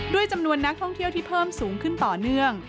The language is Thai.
จำนวนนักท่องเที่ยวที่เพิ่มสูงขึ้นต่อเนื่อง